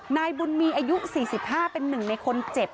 นายบุญมีอายุ๔๕เป็นหนึ่งในคนเจ็บ